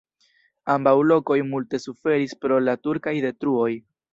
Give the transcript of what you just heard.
Ambaŭ lokoj multe suferis pro la turkaj detruoj.